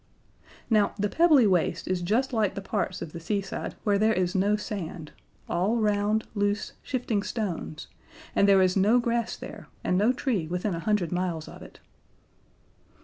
Now, the Pebbly Waste is just like the parts of the seaside where there is no sand all round, loose, shifting stones, and there is no grass there and no tree within a hundred miles of it.